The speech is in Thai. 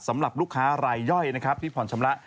สำหรับลูกค้ารายย่อยนะครับที่ผ่อนชำระ